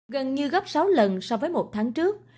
gần như gấp sáu lần so với một tháng trước